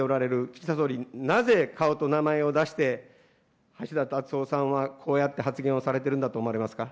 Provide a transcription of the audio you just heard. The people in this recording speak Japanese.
岸田総理、なぜ、顔と名前を出して、橋田達夫さんはこうやって発言をされてるんだと思われますか。